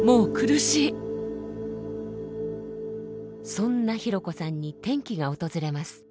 そんなひろこさんに転機が訪れます。